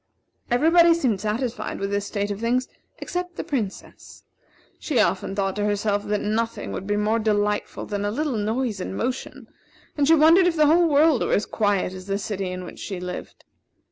Everybody seemed satisfied with this state of things except the Princess. She often thought to herself that nothing would be more delightful than a little noise and motion, and she wondered if the whole world were as quiet as the city in which she lived.